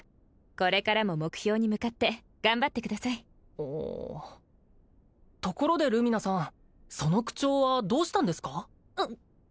これからも目標に向かって頑張ってくださいところでルミナさんその口調はどうしたんですか？